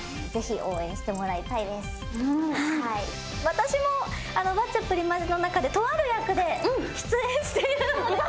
私も『ワッチャプリマジ！』のなかでとある役で出演している。